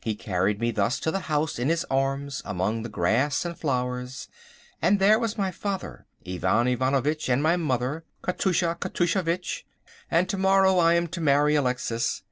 He carried me thus to the house in his arms among the grass and flowers; and there was my father, Ivan Ivanovitch, and my mother, Katoosha Katooshavitch. And to morrow I am to marry Alexis.